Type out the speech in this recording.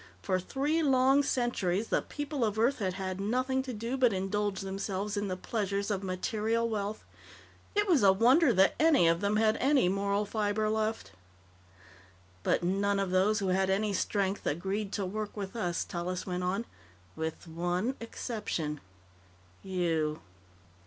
For three long centuries, the people of Earth had had nothing to do but indulge themselves in the pleasures of material wealth. It was a wonder that any of them had any moral fiber left. "But none of those who had any strength agreed to work with us," Tallis went on. "With one exception. You."